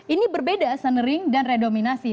ini berbeda sunring dan redenominasi